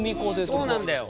そうなんだよ。